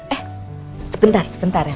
eh sebentar sebentar ya